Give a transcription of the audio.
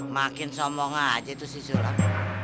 makin sombong aja tuh si sulam